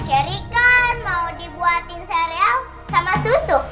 cerri kan mau dibuatin sereal sama susu